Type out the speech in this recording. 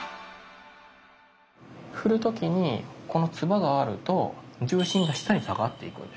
振る時にこの鐔があると重心が下に下がっていくんです。